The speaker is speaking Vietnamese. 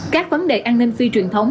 các vấn đề an ninh phí truyền thống